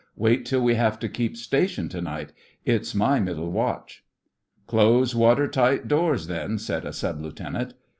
'Wait till we have to keep station to night. It's my middle watch.' 'Close water tight doors, then,' said a Sub Lieutenant.